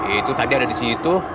itu tadi ada di situ